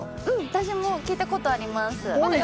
私も聞いたことあります。